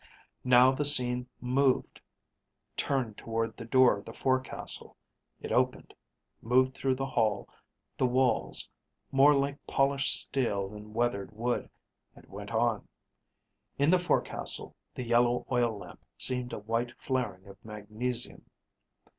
_ _Now the scene moved, turned toward the door of the forecastle. It opened, moved through the hall, the walls, more like polished steel than weathered wood, and went on. In the forecastle, the yellow oil lamp seemed a white flaring of magnesium.